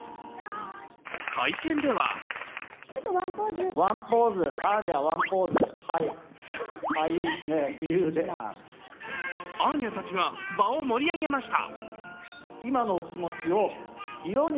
会見ではアーニャたちが場を盛り上げました。